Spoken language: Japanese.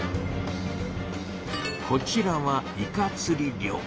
こちらは「イカつり漁」。